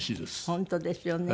本当ですよね。